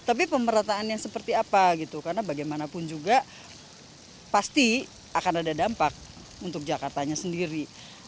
tapi pemerataannya seperti apa gitu karena bagaimanapun juga pasti akan ada dampak untuk jakartanya sendiri